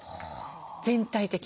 全体的に。